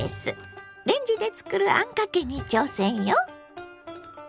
レンジで作るあんかけに挑戦よ！